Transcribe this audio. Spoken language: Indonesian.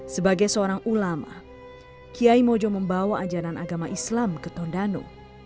sebagai seorang ulama kiai mojo membawa ajaran agama islam ke tondano